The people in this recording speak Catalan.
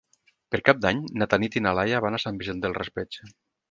Per Cap d'Any na Tanit i na Laia van a Sant Vicent del Raspeig.